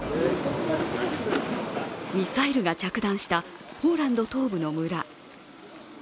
ミサイルが着弾したポーランド東部の村。